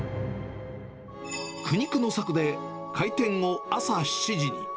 苦肉の策で、開店を朝７時に。